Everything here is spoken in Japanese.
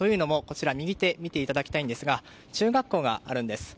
右手を見ていただきたいんですが中学校があるんです。